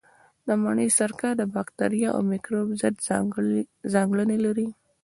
د مڼې سرکه د باکتریا او مېکروب ضد ځانګړنې لري.